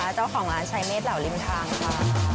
เจ้าของร้านใช้เมฆเหล่าริมทางค่ะ